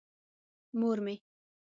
مور مې.